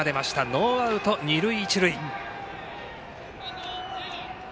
ノーアウト、二塁、一塁。